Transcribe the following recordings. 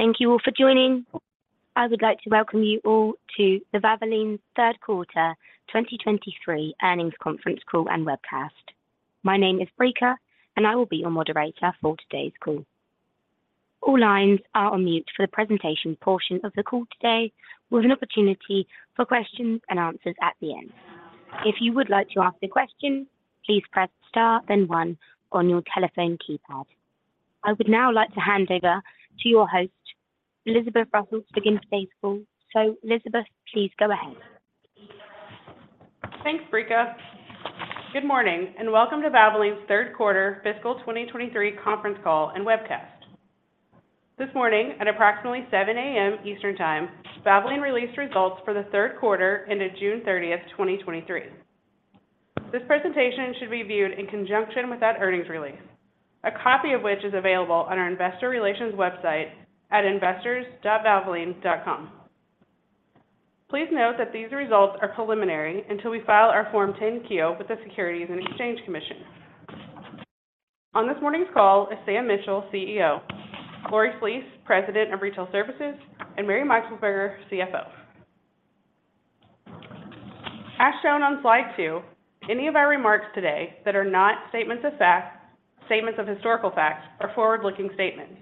Thank you all for joining. I would like to welcome you all to the Valvoline Q3 2023 Earnings Conference Call and Webcast. My name is Brika. I will be your moderator for today's call. All lines are on mute for the presentation portion of the call today, with an opportunity for questions and answers at the end. If you would like to ask a question, please press Star, then one on your telephone keypad. I would now like to hand over to your host, Elizabeth Russell, to begin today's call. Elizabeth, please go ahead. Thanks, Brika. Good morning, welcome to Valvoline's Q3 fiscal 2023 conference call and webcast. This morning, at approximately 7:00 A.M. Eastern Time, Valvoline released results for the Q3 ended June 30th, 2023. This presentation should be viewed in conjunction with that earnings release, a copy of which is available on our investor relations website at investors.valvoline.com. Please note that these results are preliminary until we file our Form 10-Q with the Securities and Exchange Commission. On this morning's call is Sam Mitchell, CEO; Lori Flees, President of Retail Services; and Mary Meixelsperger, CFO. As shown on slide 2, any of our remarks today that are not statements of fact, statements of historical fact, are forward-looking statements.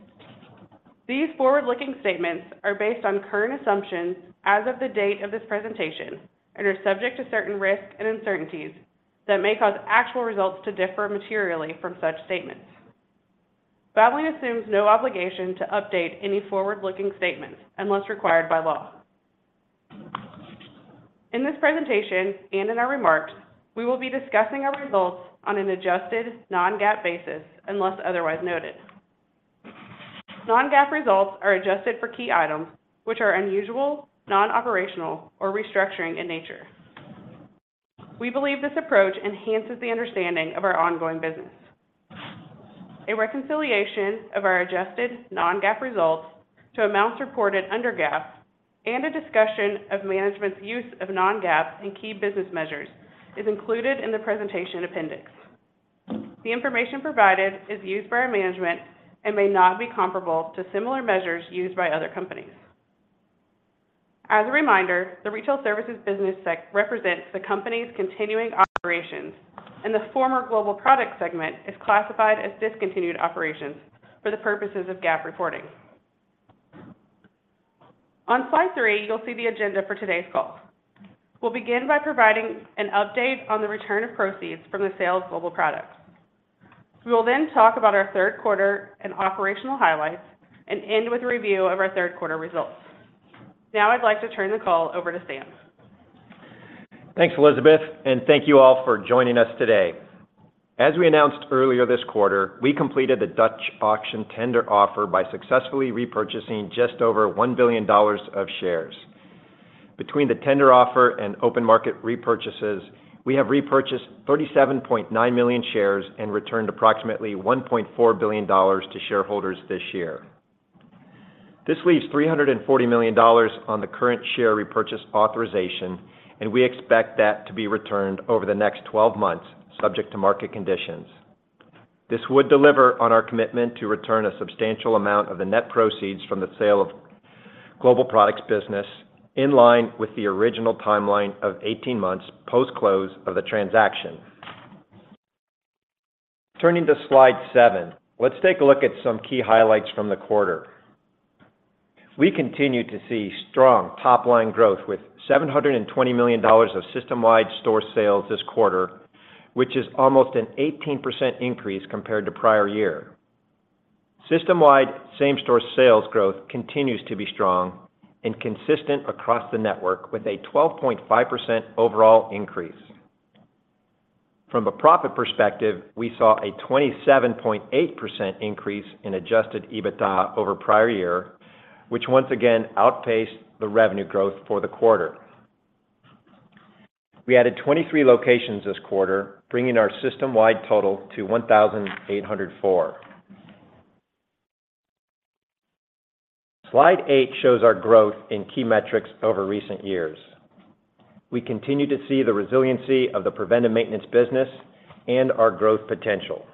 These forward-looking statements are based on current assumptions as of the date of this presentation and are subject to certain risks and uncertainties that may cause actual results to differ materially from such statements. Valvoline assumes no obligation to update any forward-looking statements unless required by law. In this presentation and in our remarks, we will be discussing our results on an adjusted non-GAAP basis, unless otherwise noted. Non-GAAP results are adjusted for key items which are unusual, non-operational, or restructuring in nature. We believe this approach enhances the understanding of our ongoing business. A reconciliation of our adjusted non-GAAP results to amounts reported under GAAP and a discussion of management's use of non-GAAP and key business measures is included in the presentation appendix. The information provided is used by our management and may not be comparable to similar measures used by other companies. As a reminder, the Retail Services business segment represents the company's continuing operations, and the former Global Products segment is classified as discontinued operations for the purposes of GAAP reporting. On slide three, you'll see the agenda for today's call. We'll begin by providing an update on the return of proceeds from the sale of Global Products. We will then talk about our Q3 and operational highlights and end with a review of our Q3 results. I'd like to turn the call over to Sam. Thanks, Elizabeth. Thank you all for joining us today. As we announced earlier this quarter, we completed the Dutch auction tender offer by successfully repurchasing just over $1 billion of shares. Between the tender offer and open market repurchases, we have repurchased 37.9 million shares and returned approximately $1.4 billion to shareholders this year. This leaves $340 million on the current share repurchase authorization, and we expect that to be returned over the next 12 months, subject to market conditions. This would deliver on our commitment to return a substantial amount of the net proceeds from the sale of Global Products business, in line with the original timeline of 18 months post-close of the transaction. Turning to Slide 7, let's take a look at some key highlights from the quarter. We continue to see strong top-line growth, with $720 million of system-wide store sales this quarter, which is almost an 18% increase compared to prior year. System-wide same-store sales growth continues to be strong and consistent across the network, with a 12.5% overall increase. From a profit perspective, we saw a 27.8% increase in adjusted EBITDA over prior year, which once again outpaced the revenue growth for the quarter. We added 23 locations this quarter, bringing our system-wide total to 1,804. Slide 8 shows our growth in key metrics over recent years. We continue to see the resiliency of the preventive maintenance business and our growth potential.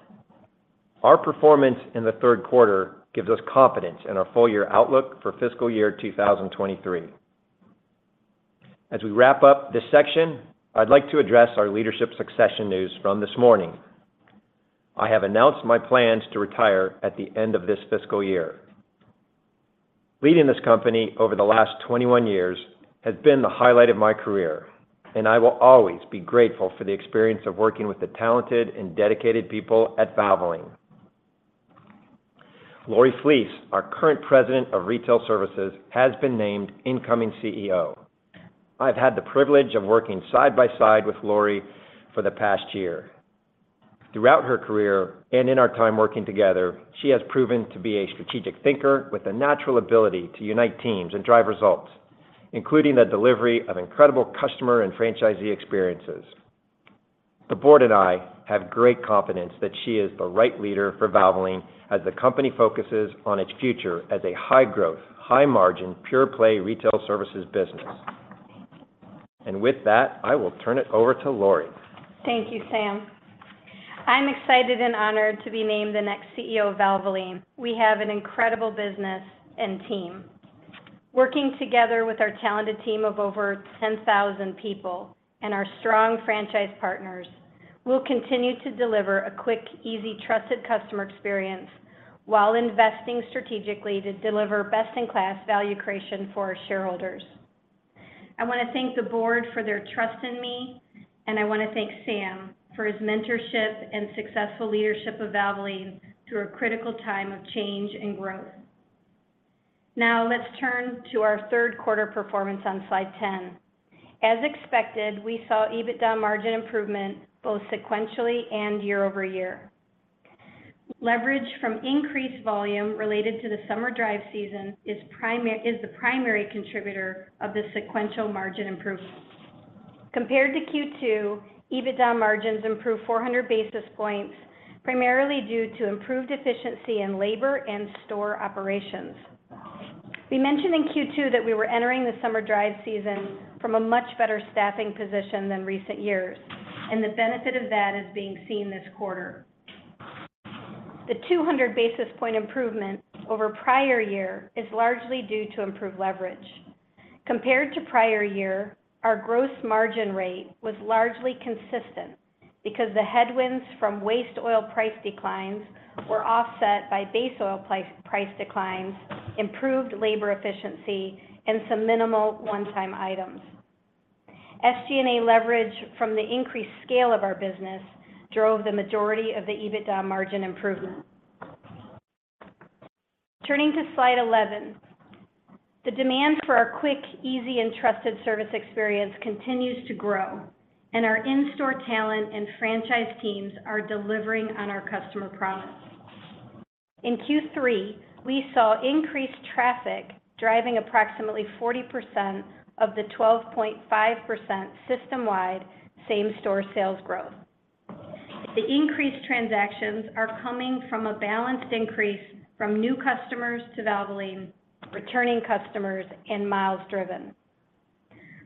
Our performance in the Q3 gives us confidence in our full year outlook for fiscal year 2023. As we wrap up this section, I'd like to address our leadership succession news from this morning. I have announced my plans to retire at the end of this fiscal year. Leading this company over the last 21 years has been the highlight of my career, and I will always be grateful for the experience of working with the talented and dedicated people at Valvoline. Lori Flees, our current President of Retail Services, has been named incoming CEO. I've had the privilege of working side by side with Lori for the past year. Throughout her career and in our time working together, she has proven to be a strategic thinker with a natural ability to unite teams and drive results, including the delivery of incredible customer and franchisee experiences. The board and I have great confidence that she is the right leader for Valvoline as the company focuses on its future as a high growth, high margin, pure play Retail Services business. With that, I will turn it over to Lori. Thank you, Sam. I'm excited and honored to be named the next CEO of Valvoline. We have an incredible business and team. Working together with our talented team of over 10,000 people and our strong franchise partners, we'll continue to deliver a quick, easy, trusted customer experience while investing strategically to deliver best-in-class value creation for our shareholders. I want to thank the board for their trust in me. I want to thank Sam for his mentorship and successful leadership of Valvoline through a critical time of change and growth. Now, let's turn to our Q3 performance on slide 10. As expected, we saw EBITDA margin improvement both sequentially and year-over-year. Leverage from increased volume related to the summer drive season is the primary contributor of the sequential margin improvement. Compared to Q2, EBITDA margins improved 400 basis points, primarily due to improved efficiency in labor and store operations. We mentioned in Q2 that we were entering the summer drive season from a much better staffing position than recent years, and the benefit of that is being seen this quarter. The 200 basis point improvement over prior year is largely due to improved leverage. Compared to prior year, our gross margin rate was largely consistent because the headwinds from waste oil price declines were offset by base oil price declines, improved labor efficiency, and some minimal one-time items. SG&A leverage from the increased scale of our business drove the majority of the EBITDA margin improvement. Turning to slide 11, the demand for our quick, easy, and trusted service experience continues to grow, and our in-store talent and franchise teams are delivering on our customer promise. In Q3, we saw increased traffic, driving approximately 40% of the 12.5% system-wide same-store sales growth. The increased transactions are coming from a balanced increase from new customers to Valvoline, returning customers, and miles driven.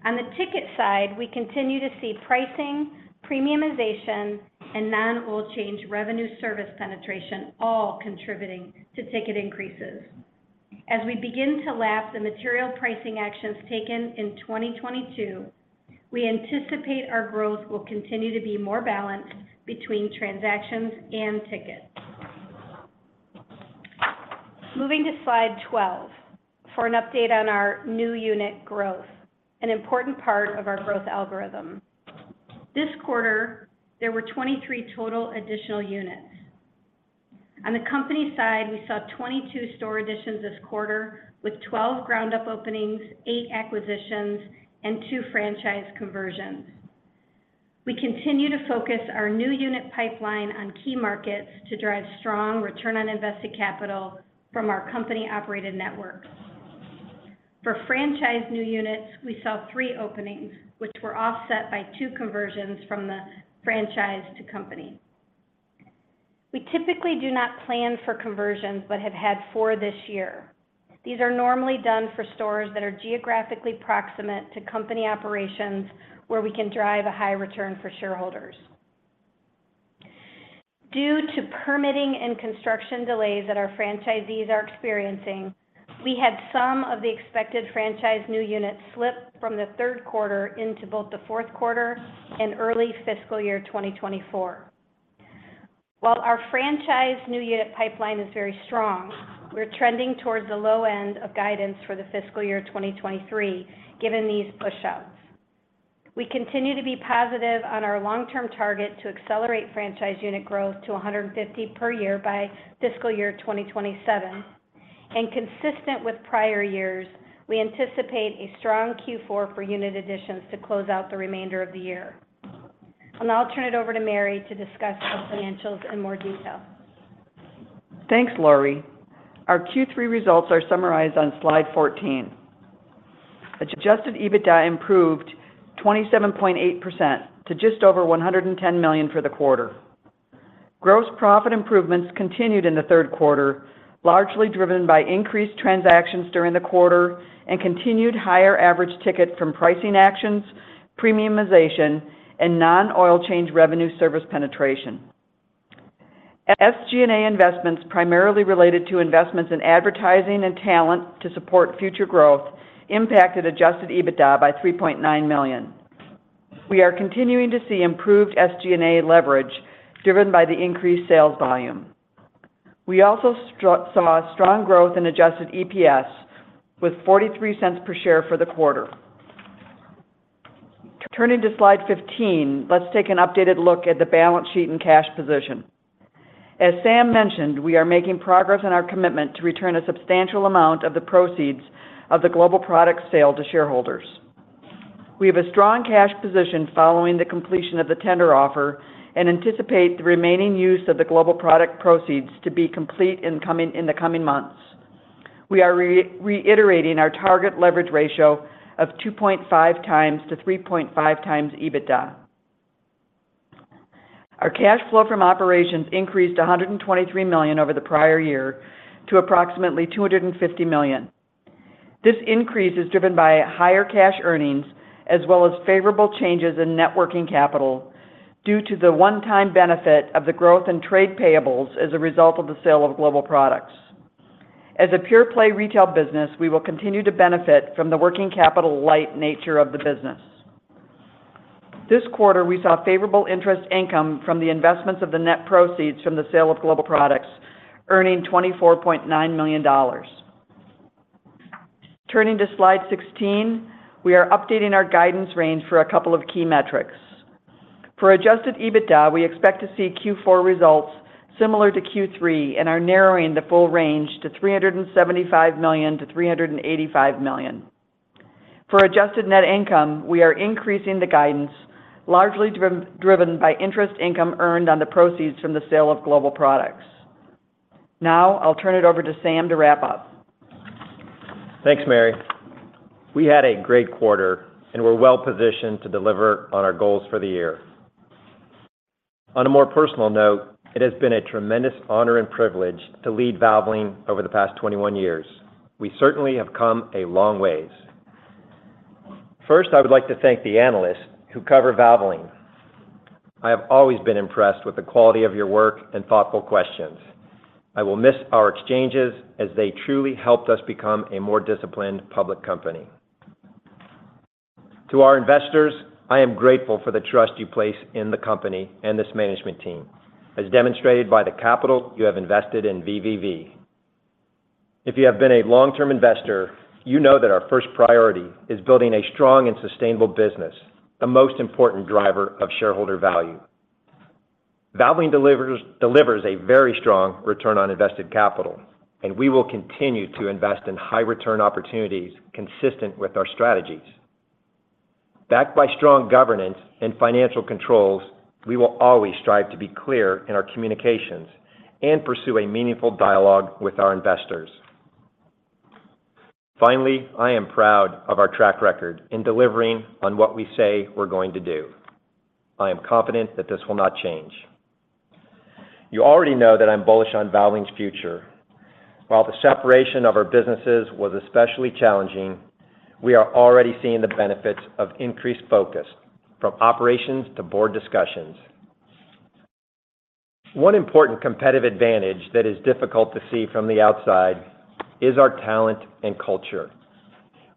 On the ticket side, we continue to see pricing, premiumization, and non-oil change revenue service penetration, all contributing to ticket increases. As we begin to lap the material pricing actions taken in 2022, we anticipate our growth will continue to be more balanced between transactions and tickets. Moving to slide 12, for an update on our new unit growth, an important part of our growth algorithm. This quarter, there were 23 total additional units. On the company side, we saw 22 store additions this quarter, with 12 ground-up openings, 8 acquisitions, and 2 franchise conversions. We continue to focus our new unit pipeline on key markets to drive strong return on invested capital from our company-operated networks. For franchise new units, we saw three openings, which were offset by two conversions from the franchise to company. We typically do not plan for conversions but have had four this year. These are normally done for stores that are geographically proximate to company operations, where we can drive a high return for shareholders. Due to permitting and construction delays that our franchisees are experiencing, we had some of the expected franchise new units slip from the Q3 into both the Q4 and early fiscal year 2024. While our franchise new unit pipeline is very strong, we're trending towards the low end of guidance for the fiscal year 2023, given these pushouts. We continue to be positive on our long-term target to accelerate franchise unit growth to 150 per year by fiscal year 2027. Consistent with prior years, we anticipate a strong Q4 for unit additions to close out the remainder of the year. I'll turn it over to Mary to discuss the financials in more detail. Thanks, Lori. Our Q3 results are summarized on slide 14. Adjusted EBITDA improved 27.8% to just over $110 million for the quarter. Gross profit improvements continued in the Q3, largely driven by increased transactions during the quarter and continued higher average ticket from pricing actions, premiumization, and non-oil change revenue service penetration. SG&A investments, primarily related to investments in advertising and talent to support future growth, impacted adjusted EBITDA by $3.9 million. We are continuing to see improved SG&A leverage, driven by the increased sales volume. We also saw strong growth in adjusted EPS with $0.43 per share for the quarter. Turning to slide 15, let's take an updated look at the balance sheet and cash position. As Sam mentioned, we are making progress on our commitment to return a substantial amount of the proceeds of the global product sale to shareholders. We have a strong cash position following the completion of the tender offer and anticipate the remaining use of the global product proceeds to be complete in the coming months. We are re-reiterating our target leverage ratio of 2.5x-3.5x EBITDA. Our cash flow from operations increased to $123 million over the prior year, to approximately $250 million. This increase is driven by higher cash earnings, as well as favorable changes in networking capital, due to the one-time benefit of the growth in trade payables as a result of the sale of Global Products. As a pure play retail business, we will continue to benefit from the working capital light nature of the business. This quarter, we saw favorable interest income from the investments of the net proceeds from the sale of Global Products, earning $24.9 million. Turning to slide 16, we are updating our guidance range for a couple of key metrics. For adjusted EBITDA, we expect to see Q4 results similar to Q3, are narrowing the full range to $375 million-$385 million. For adjusted net income, we are increasing the guidance, largely driven by interest income earned on the proceeds from the sale of Global Products. Now, I'll turn it over to Sam to wrap up. Thanks, Mary. We had a great quarter, and we're well positioned to deliver on our goals for the year. On a more personal note, it has been a tremendous honor and privilege to lead Valvoline over the past 21 years. We certainly have come a long ways. First, I would like to thank the analysts who cover Valvoline. I have always been impressed with the quality of your work and thoughtful questions. I will miss our exchanges, as they truly helped us become a more disciplined public company. To our investors, I am grateful for the trust you place in the company and this management team, as demonstrated by the capital you have invested in VVV. If you have been a long-term investor, you know that our first priority is building a strong and sustainable business, the most important driver of shareholder value. Valvoline delivers, delivers a very strong return on invested capital. We will continue to invest in high return opportunities consistent with our strategies. Backed by strong governance and financial controls, we will always strive to be clear in our communications and pursue a meaningful dialogue with our investors. Finally, I am proud of our track record in delivering on what we say we're going to do. I am confident that this will not change. You already know that I'm bullish on Valvoline's future. While the separation of our businesses was especially challenging, we are already seeing the benefits of increased focus, from operations to board discussions. One important competitive advantage that is difficult to see from the outside is our talent and culture.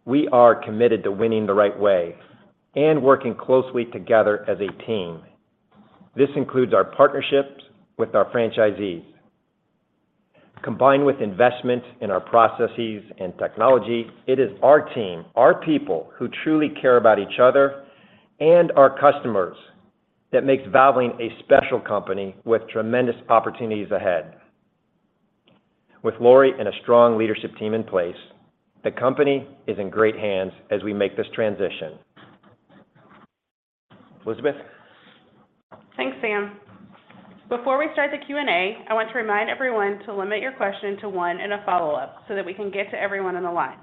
We are committed to winning the right way and working closely together as a team. This includes our partnerships with our franchisees. Combined with investment in our processes and technology, it is our team, our people who truly care about each other and our customers, that makes Valvoline a special company with tremendous opportunities ahead. With Lori and a strong leadership team in place, the company is in great hands as we make this transition. Elizabeth? Thanks, Sam. Before we start the Q&A, I want to remind everyone to limit your question to one and a follow-up, so that we can get to everyone on the line.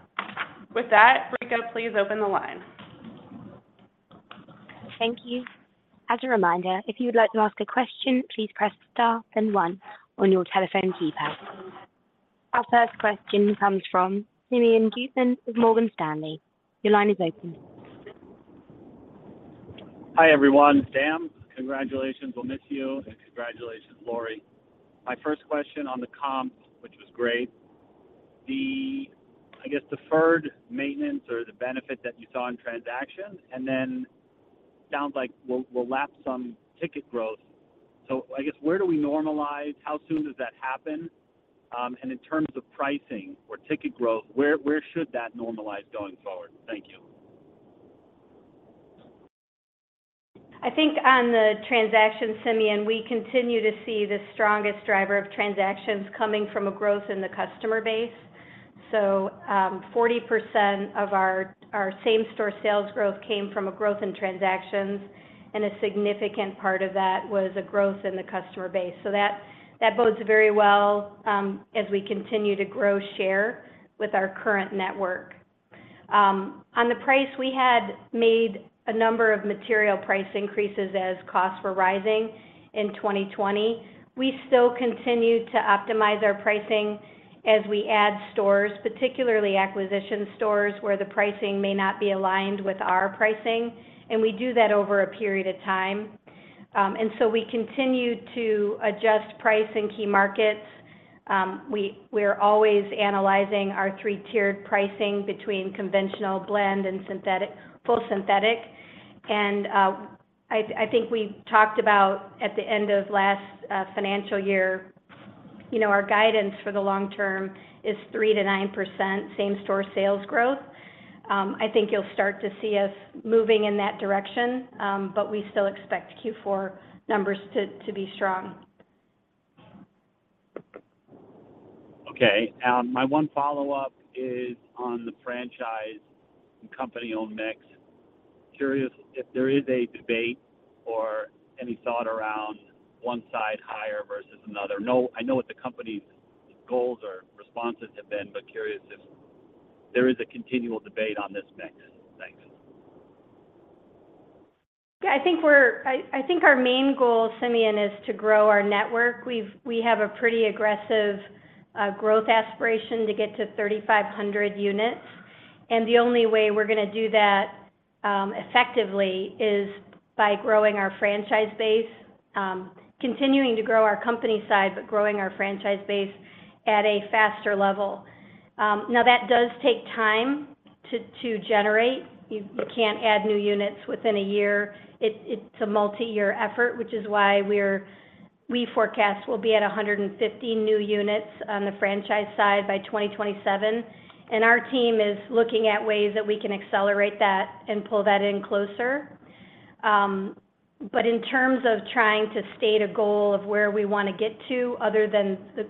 With that, Brika, please open the line. Thank you. As a reminder, if you would like to ask a question, please press star then 1 on your telephone keypad. Our first question comes from Simeon Gutman with Morgan Stanley. Your line is open. Hi, everyone. Sam, congratulations. We'll miss you, and congratulations, Lori. My first question on the comp, which was great. The, I guess, deferred maintenance or the benefit that you saw in transactions, and then sounds like we'll, lap some ticket growth. I guess, where do we normalize? How soon does that happen? In terms of pricing or ticket growth, where, where should that normalize going forward? Thank you. I think on the transaction, Simeon, we continue to see the strongest driver of transactions coming from a growth in the customer base. 40% of our, our same-store sales growth came from a growth in transactions, and a significant part of that was a growth in the customer base. That, that bodes very well, as we continue to grow share with our current network. On the price, we had made a number of material price increases as costs were rising in 2020. We still continue to optimize our pricing as we add stores, particularly acquisition stores, where the pricing may not be aligned with our pricing, and we do that over a period of time. We continue to adjust price in key markets. We, we're always analyzing our three-tiered pricing between conventional blend and synthetic, full synthetic. I think we talked about at the end of last financial year, you know, our guidance for the long term is 3%-9% same-store sales growth. I think you'll start to see us moving in that direction, but we still expect Q4 numbers to be strong. Okay. My 1 follow-up is on the franchise and company-owned mix. Curious if there is a debate or any thought around 1 side higher versus another? No, I know what the company's goals or responses have been, but curious if there is a continual debate on this mix? Yeah, I think our main goal, Simeon, is to grow our network. We have a pretty aggressive growth aspiration to get to 3,500 units. The only way we're gonna do that effectively is by growing our franchise base. Continuing to grow our company size, but growing our franchise base at a faster level. Now, that does take time to generate. You can't add new units within a year. It's a multi-year effort, which is why we forecast we'll be at 150 new units on the franchise side by 2027. Our team is looking at ways that we can accelerate that and pull that in closer. In terms of trying to state a goal of where we wanna get to, other than the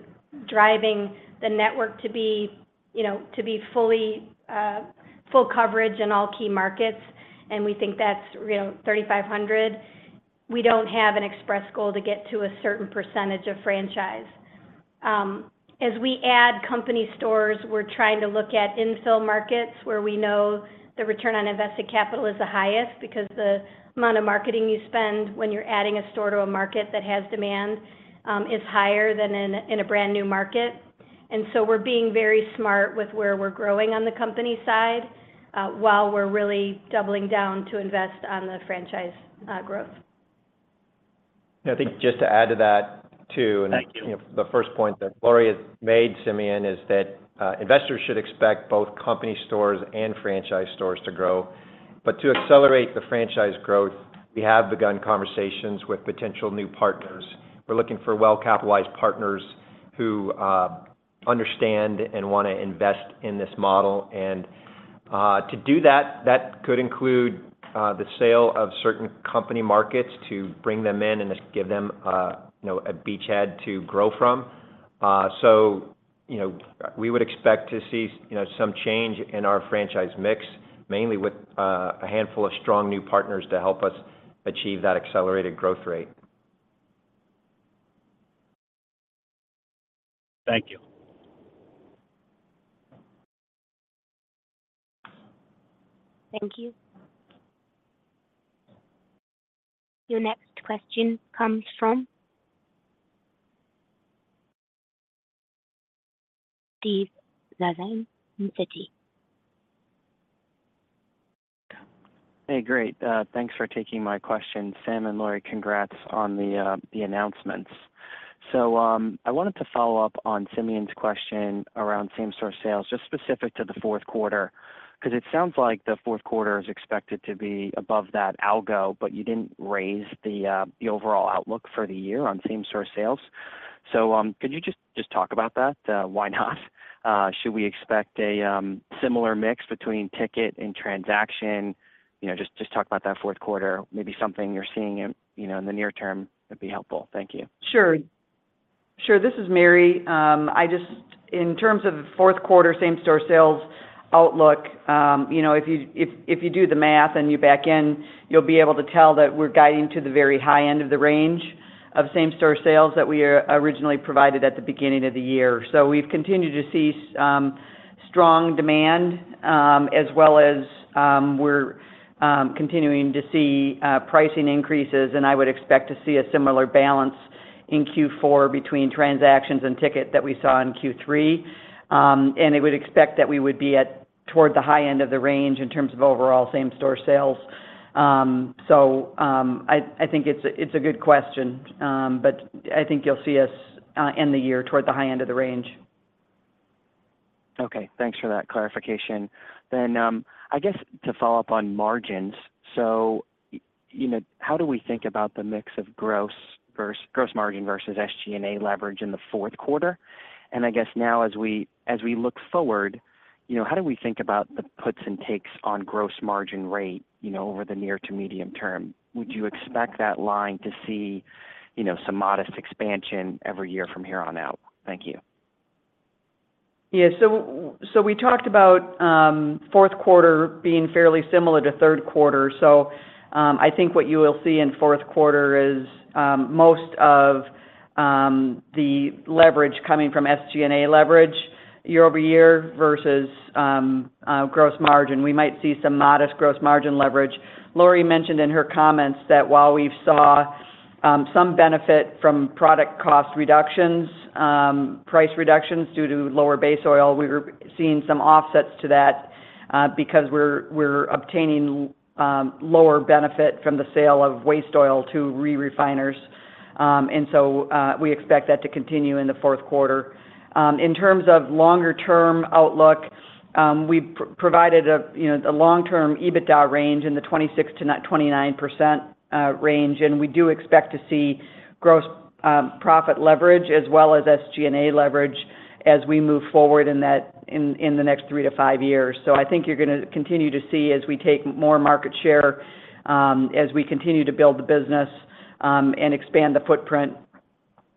driving the network to be, you know, to be fully, full coverage in all key markets, and we think that's, you know, 3,500, we don't have an express goal to get to a certain percentage of franchise. As we add company stores, we're trying to look at infill markets where we know the return on invested capital is the highest because the amount of marketing you spend when you're adding a store to a market that has demand, is higher than in a, in a brand-new market. We're being very smart with where we're growing on the company side, while we're really doubling down to invest on the franchise growth. I think just to add to that, too- Thank you. You know, the first point that Lori has made, Simeon, is that investors should expect both company stores and franchise stores to grow. To accelerate the franchise growth, we have begun conversations with potential new partners. We're looking for well-capitalized partners who understand and wanna invest in this model. To do that, that could include the sale of certain company markets to bring them in and just give them, you know, a beachhead to grow from. So, you know, we would expect to see, you know, some change in our franchise mix, mainly with a handful of strong new partners to help us achieve that accelerated growth rate. Thank you. Thank you. Your next question comes from Steve Zaccone with Citi. Hey, great. Thanks for taking my question. Sam and Lori, congrats on the announcements. I wanted to follow up on Simeon's question around same-store sales, just specific to the Q4. 'Cause it sounds like the Q4 is expected to be above that algo, but you didn't raise the overall outlook for the year on same-store sales. Could you just, just talk about that? Why not? Should we expect a similar mix between ticket and transaction? You know, just, just talk about that Q4. Maybe something you're seeing in, you know, in the near term would be helpful. Thank you. Sure. Sure, this is Mary. In terms of Q4 same-store sales outlook, you know, if you do the math and you back in, you'll be able to tell that we're guiding to the very high end of the range of same-store sales that we originally provided at the beginning of the year. We've continued to see strong demand, as well as, we're continuing to see pricing increases, and I would expect to see a similar balance in Q4 between transactions and ticket that we saw in Q3. I would expect that we would be at toward the high end of the range in terms of overall same-store sales. I, I think it's a, it's a good question, but I think you'll see us end the year toward the high end of the range. Okay, thanks for that clarification. I guess to follow up on margins. You know, how do we think about the mix of gross versus-- gross margin versus SG&A leverage in the Q4? I guess now, as we look forward, you know, how do we think about the puts and takes on gross margin rate, you know, over the near to medium term? Would you expect that line to see, you know, some modest expansion every year from here on out? Thank you. Yeah. So, so we talked about Q4 being fairly similar to Q3. I think what you will see in Q4 is most of the leverage coming from SG&A leverage year-over-year versus gross margin. We might see some modest gross margin leverage. Lori mentioned in her comments that while we've saw some benefit from product cost reductions, price reductions due to lower base oil, we were seeing some offsets to that because we're obtaining lower benefit from the sale of waste oil to re-refiners. We expect that to continue in the Q4. In terms of longer term outlook, we provided a, you know, a long-term EBITDA range in the 26%-29% range. We do expect to see gross profit leverage as well as SG&A leverage as we move forward in the next 3 to 5 years. I think you're gonna continue to see, as we take more market share, as we continue to build the business, and expand the footprint,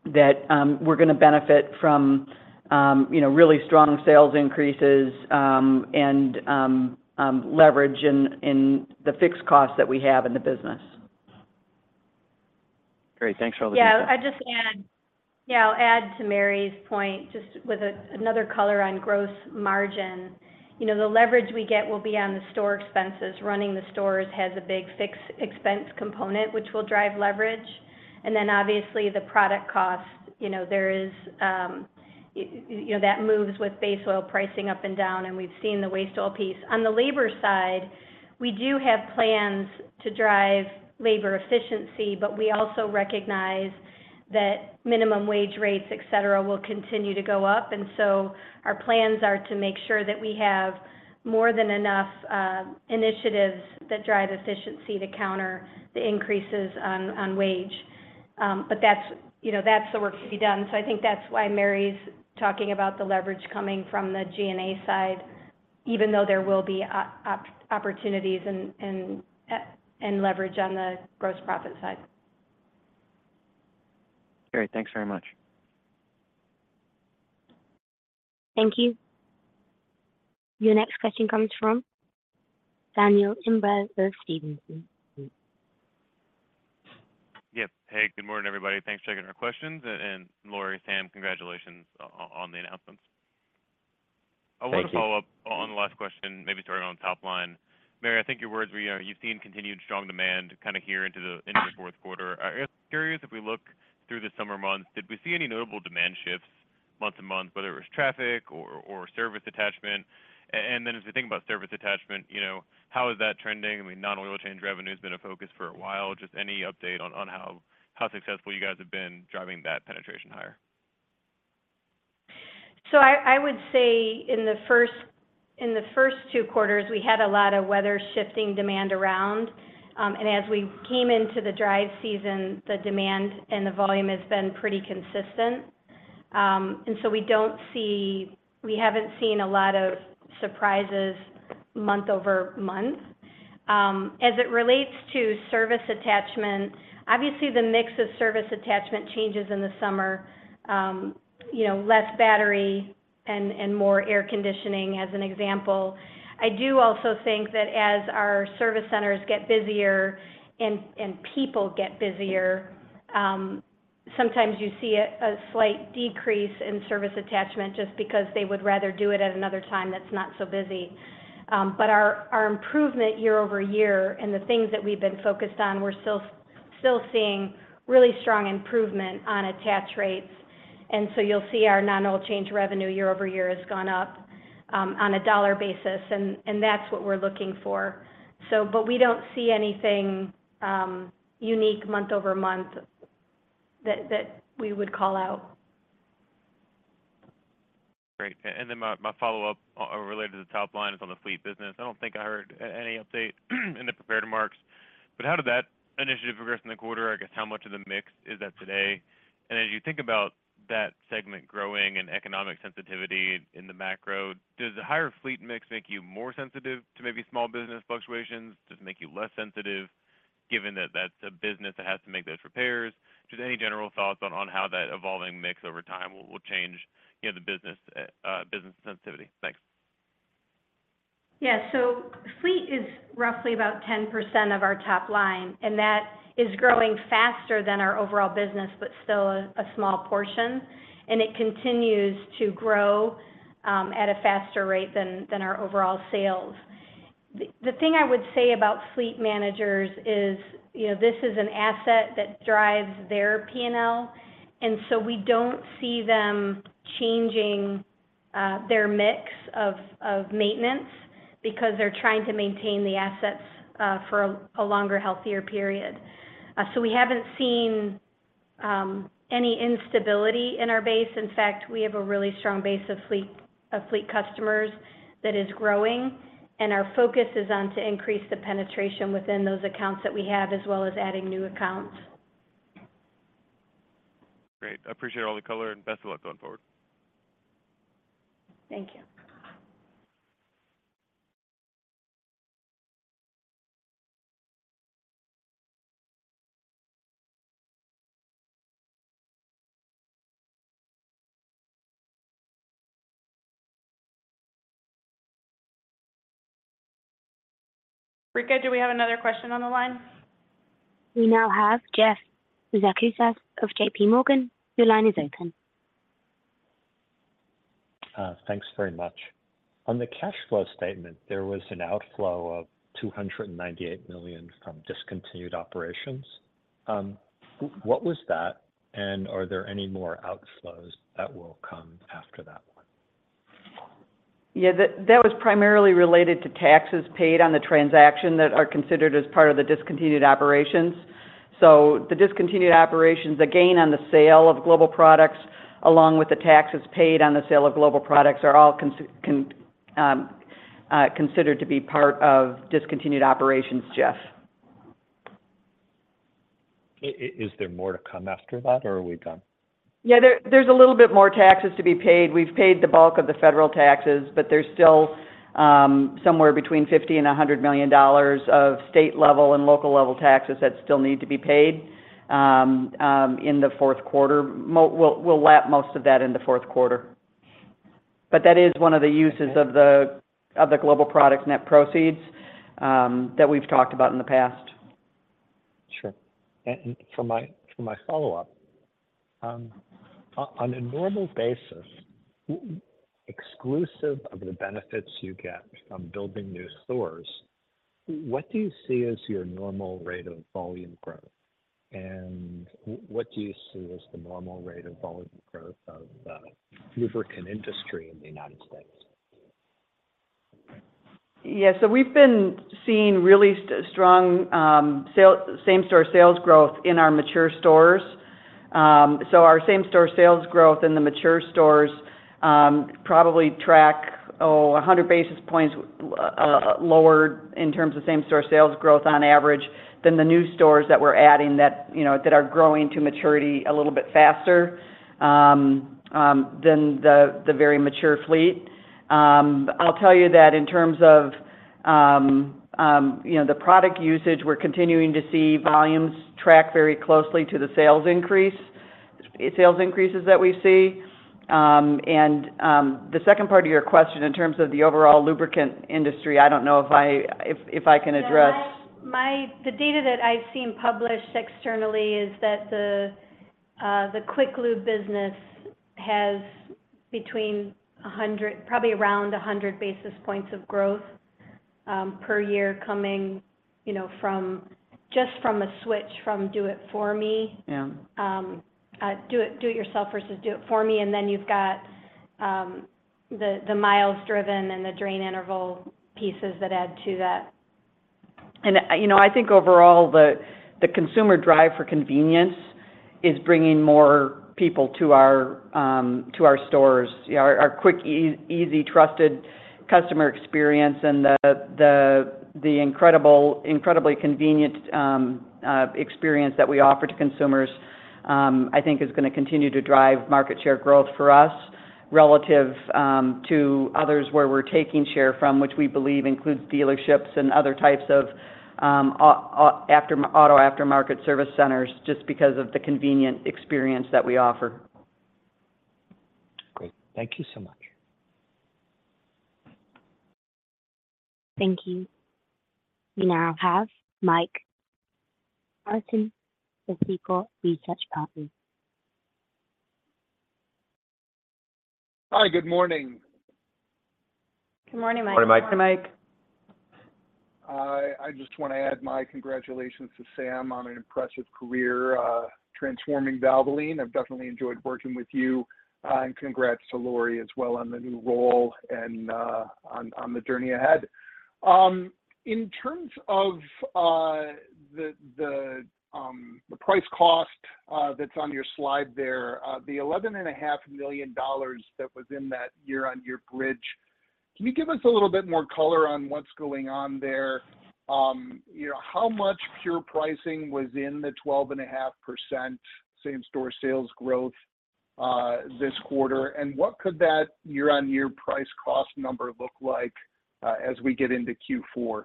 that we're gonna benefit from, you know, really strong sales increases, and leverage in the fixed costs that we have in the business. Great. Thanks for all the- Yeah, I'd just add, yeah, I'll add to Mary's point, just with a, another color on gross margin. You know, the leverage we get will be on the store expenses. Running the stores has a big fixed expense component, which will drive leverage. Obviously, the product costs, you know, there is, you know, that moves with base oil pricing up and down, and we've seen the waste oil piece. On the labor side, we do have plans to drive labor efficiency, but we also recognize that minimum wage rates, et cetera, will continue to go up. So our plans are to make sure that we have more than enough initiatives that drive efficiency to counter the increases on, on wage. That's, you know, that's the work to be done. I think that's why Mary's talking about the leverage coming from the G&A side, even though there will be opportunities and, and, and leverage on the gross profit side. Great. Thanks very much. Thank you. Your next question comes from Daniel Imbro of Stephens Inc. Yep. Hey, good morning, everybody. Thanks for taking our questions. Lori, Sam, congratulations on the announcements. Thank you. I want to follow up on the last question, maybe starting on the top line. Mary, I think your words were, you know, you've seen continued strong demand kind of here into the Q4. I was curious, if we look through the summer months, did we see any notable demand shifts month to month, whether it was traffic or, or service attachment? Then as we think about service attachment, you know, how is that trending? I mean, non-oil change revenue has been a focus for a while. Just any update on, on how, how successful you guys have been driving that penetration higher? I, I would say in the first 2 quarters, we had a lot of weather shifting demand around. As we came into the drive season, the demand and the volume has been pretty consistent. We haven't seen a lot of surprises month-over-month. As it relates to service attachment, obviously, the mix of service attachment changes in the summer, you know, less battery and, and more air conditioning, as an example. I do also think that as our service centers get busier and, and people get busier, sometimes you see a, a slight decrease in service attachment just because they would rather do it at another time that's not so busy. Our, our improvement year-over-year and the things that we've been focused on, we're still, still seeing really strong improvement on attach rates. You'll see our non-oil change revenue year-over-year has gone up on a dollar basis, and that's what we're looking for. We don't see anything unique month-over-month that, that we would call out. Great. Then my, my follow-up related to the top line is on the fleet business. I don't think I heard any update in the prepared remarks, but how did that initiative progress in the quarter? I guess, how much of the mix is that today? As you think about that segment growing and economic sensitivity in the macro, does the higher fleet mix make you more sensitive to maybe small business fluctuations? Does it make you less sensitive, given that that's a business that has to make those repairs? Just any general thoughts on, on how that evolving mix over time will, will change, you know, the business, business sensitivity? Thanks. Yeah. Fleet is roughly about 10% of our top line, that is growing faster than our overall business, still a small portion, it continues to grow at a faster rate than our overall sales. The thing I would say about fleet managers is, you know, this is an asset that drives their P&L, so we don't see them changing their mix of maintenance because they're trying to maintain the assets for a longer, healthier period. So we haven't seen any instability in our base. In fact, we have a really strong base of fleet customers that is growing, and our focus is on to increase the penetration within those accounts that we have, as well as adding new accounts. Great. I appreciate all the color, and best of luck going forward. Thank you. Brika, do we have another question on the line? We now have Jeff Zekauskas of J.P. Morgan. Your line is open. Thanks very much. On the cash flow statement, there was an outflow of $298 million from discontinued operations. What was that? And are there any more outflows that will come after that one? Yeah, that, that was primarily related to taxes paid on the transaction that are considered as part of the discontinued operations. The discontinued operations, the gain on the sale of Global Products, along with the taxes paid on the sale of Global Products, are all considered to be part of discontinued operations, Jeff. Is there more to come after that, or are we done? Yeah, there, there's a little bit more taxes to be paid. We've paid the bulk of the federal taxes, there's still $50 million-$100 million of state level and local level taxes that still need to be paid in the Q4. We'll, lap most of that in the Q4. That is one of the uses of the, of the Global Products net proceeds that we've talked about in the past. Sure. For my, for my follow-up, on a normal basis, exclusive of the benefits you get from building new stores, what do you see as your normal rate of volume growth? What do you see as the normal rate of volume growth of the lubricant industry in the United States? Yeah, so we've been seeing really strong same-store sales growth in our mature stores. Our same-store sales growth in the mature stores probably track 100 basis points lower in terms of same-store sales growth on average than the new stores that we're adding that, you know, that are growing to maturity a little bit faster than the very mature fleet. I'll tell you that in terms of, you know, the product usage, we're continuing to see volumes track very closely to the sales increase, sales increases that we see. The second part of your question, in terms of the overall lubricant industry, I don't know if I can address- Yeah. The data that I've seen published externally is that the quick lube business has between 100, probably around 100 basis points of growth, per year coming, you know, from just from a switch from do it for me. Yeah. Do it yourself versus do it for me, and then you've got, the, the miles driven and the drain interval pieces that add to that. You know, I think overall, the, the consumer drive for convenience is bringing more people to our stores. Yeah, our quick, easy, trusted customer experience and the incredible, incredibly convenient experience that we offer to consumers, I think is gonna continue to drive market share growth for us relative to others, where we're taking share from, which we believe includes dealerships and other types of auto aftermarket service centers, just because of the convenient experience that we offer. Great. Thank you so much. Thank you. We now have Mike Harrison of Seaport Research Partners. Hi, good morning. Good morning, Mike. Good morning, Mike. Good morning, Mike. I just wanna add my congratulations to Sam Mitchell on an impressive career, transforming Valvoline. I've definitely enjoyed working with you. Congrats to Lori Flees as well on the new role and on the journey ahead. In terms of the price cost that's on your slide there, the $11.5 million that was in that year-on-year bridge, can you give us a little bit more color on what's going on there? You know, how much pure pricing was in the 12.5% same-store sales growth this quarter? What could that year-on-year price cost number look like as we get into Q4?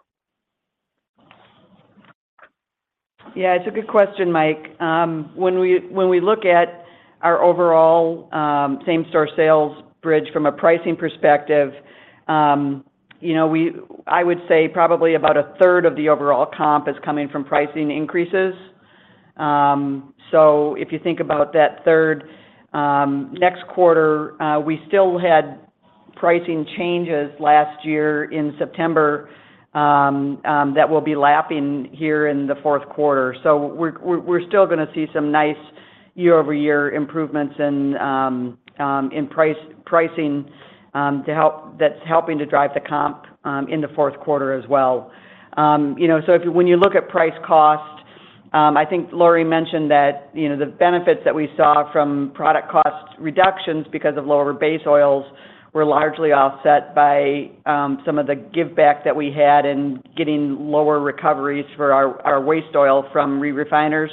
Yeah, it's a good question, Mike. When we, when we look at our overall same-store sales bridge from a pricing perspective, you know, I would say probably about a third of the overall comp is coming from pricing increases. If you think about that third, next quarter, we still had pricing changes last year in September, that we'll be lapping here in the Q4. We're, we're, we're still gonna see some nice year-over-year improvements in pricing that's helping to drive the comp in the Q4 as well. You know, so if when you look at price cost, I think Lori mentioned that, you know, the benefits that we saw from product cost reductions because of lower base oils were largely offset by some of the giveback that we had in getting lower recoveries for our, our waste oil from re-refiners.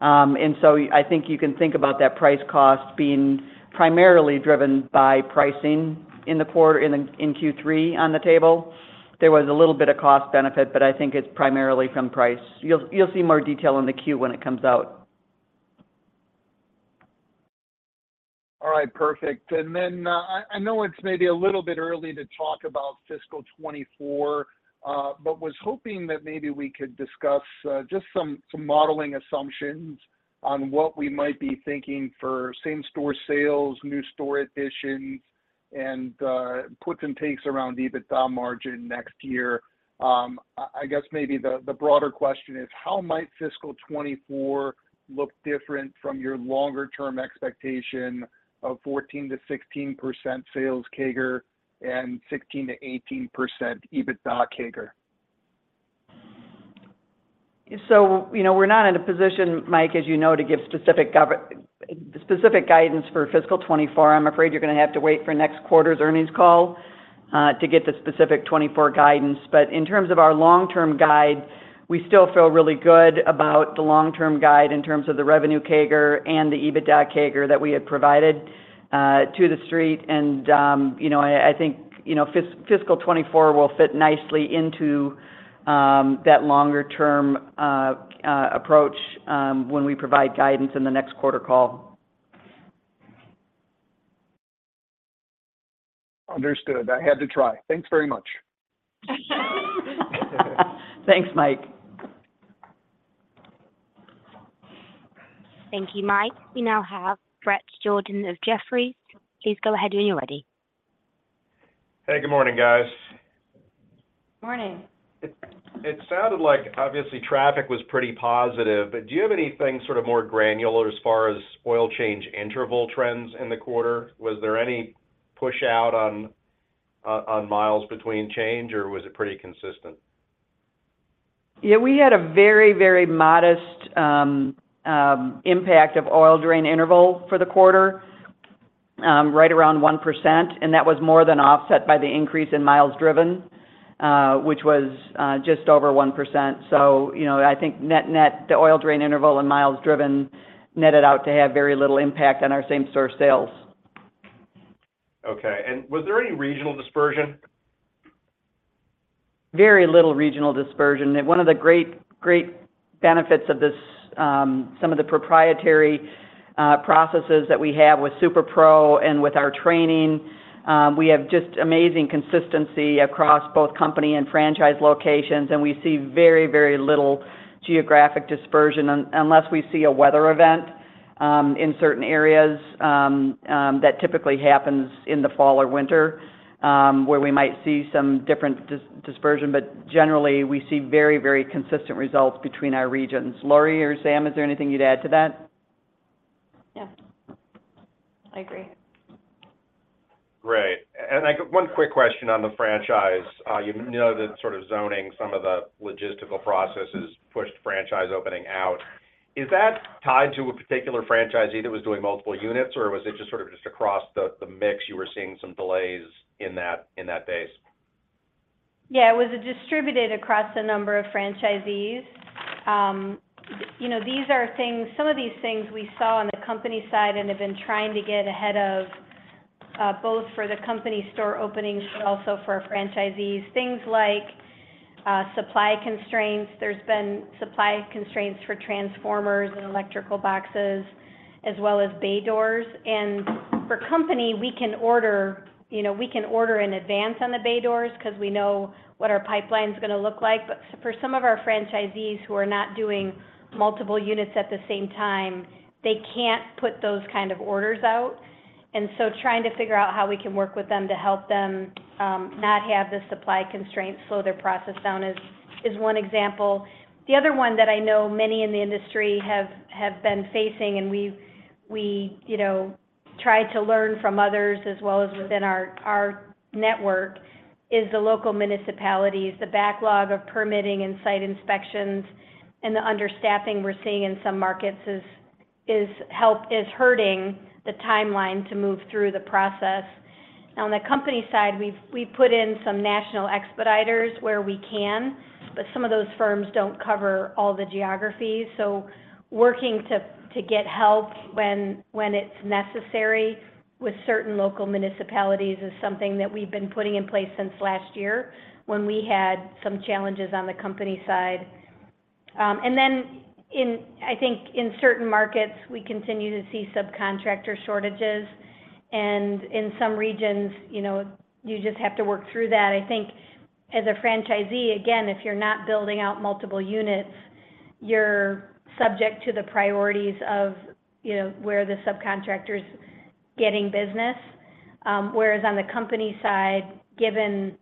I think you can think about that price cost being primarily driven by pricing in Q3 on the table. There was a little bit of cost benefit, but I think it's primarily from price. You'll see more detail in the Q when it comes out. All right. Perfect. Then I, I know it's maybe a little bit early to talk about fiscal 2024, but was hoping that maybe we could discuss just some, some modeling assumptions on what we might be thinking for same-store sales, new store additions, and puts and takes around EBITDA margin next year. I, I guess maybe the, the broader question is: How might fiscal 2024 look different from your longer-term expectation of 14%-16% sales CAGR and 16%-18% EBITDA CAGR? You know, we're not in a position, Mike, as you know, to give specific guidance for fiscal 2024. I'm afraid you're gonna have to wait for next quarter's earnings call to get the specific 2024 guidance. In terms of our long-term guide, we still feel really good about the long-term guide in terms of the revenue CAGR and the EBITDA CAGR that we had provided to the street. You know, I, I think, you know, fiscal 2024 will fit nicely into that longer-term approach when we provide guidance in the next quarter call. Understood. I had to try. Thanks very much. Thanks, Mike. Thank you, Mike. We now have Bret Jordan of Jefferies. Please go ahead when you're ready. Hey, good morning, guys. Morning. It, it sounded like obviously traffic was pretty positive, but do you have anything sort of more granular as far as oil change interval trends in the quarter? Was there any push out on miles between change, or was it pretty consistent? We had a very, very modest impact of oil drain interval for the quarter, right around 1%, and that was more than offset by the increase in miles driven, which was just over 1%. You know, I think net-net, the oil drain interval and miles driven netted out to have very little impact on our same-store sales. Okay. Was there any regional dispersion? Very little regional dispersion. One of the great, great benefits of this, some of the proprietary processes that we have with SuperPro and with our training, we have just amazing consistency across both company and franchise locations, and we see very, very little geographic dispersion unless we see a weather event in certain areas that typically happens in the fall or winter, where we might see some different dispersion. Generally, we see very, very consistent results between our regions. Lori or Sam, is there anything you'd add to that? Yeah, I agree. Great. One quick question on the franchise. You know, that sort of zoning, some of the logistical processes pushed franchise opening out. Is that tied to a particular franchisee that was doing multiple units, or was it sort of just across the mix, you were seeing some delays in that, in that base? Yeah, it was distributed across a number of franchisees. You know, these are things-- some of these things we saw on the company side and have been trying to get ahead of, both for the company store openings, but also for our franchisees. Things like supply constraints. There's been supply constraints for transformers and electrical boxes, as well as bay doors. For company, we can order, you know, we can order in advance on the bay doors because we know what our pipeline is going to look like. But for some of our franchisees who are not doing multiple units at the same time, they can't put those kind of orders out. Trying to figure out how we can work with them to help them not have the supply constraints slow their process down is, is one example. The other one that I know many in the industry have, have been facing, and we've, you know, try to learn from others as well as within our, our network, is the local municipalities, the backlog of permitting and site inspections, and the understaffing we're seeing in some markets is hurting the timeline to move through the process. On the company side, we've, we've put in some national expediters where we can, but some of those firms don't cover all the geographies. Working to, to get help when, when it's necessary with certain local municipalities is something that we've been putting in place since last year, when we had some challenges on the company side. Then in, I think in certain markets, we continue to see subcontractor shortages, and in some regions, you know, you just have to work through that. I think as a franchisee, again, if you're not building out multiple units, you're subject to the priorities of, you know, where the subcontractor is getting business. Whereas on the company side, given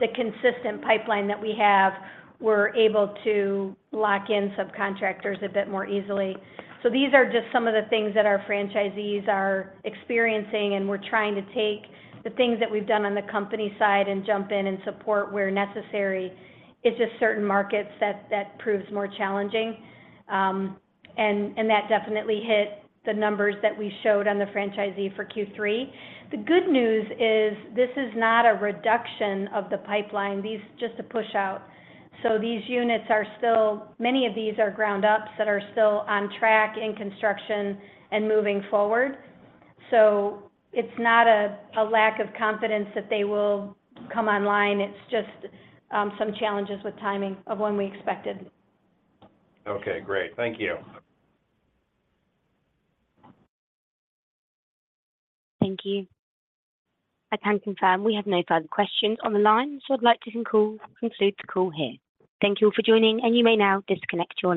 the consistent pipeline that we have, we're able to lock in subcontractors a bit more easily. These are just some of the things that our franchisees are experiencing, and we're trying to take the things that we've done on the company side and jump in and support where necessary. It's just certain markets that, that proves more challenging. And that definitely hit the numbers that we showed on the franchisee for Q3. The good news is this is not a reduction of the pipeline, these are just a pushout. These units are still. Many of these are ground ups that are still on track in construction and moving forward. It's not a, a lack of confidence that they will come online. It's just, some challenges with timing of when we expected. Okay, great. Thank you. Thank you. I can confirm we have no further questions on the line. I'd like to conclude the call here. Thank you all for joining. You may now disconnect your lines.